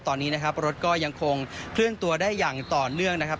ตอนนี้นะครับรถก็ยังคงเคลื่อนตัวได้อย่างต่อเนื่องนะครับ